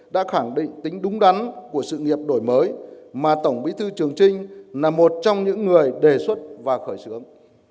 đã khẳng định tính đúng đắn của sự nghiệp đổi mới mà tổng bí thư trường trinh là một trong những người đề xuất và khởi xướng